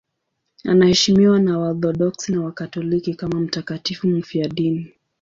Anaheshimiwa na Waorthodoksi na Wakatoliki kama mtakatifu mfiadini.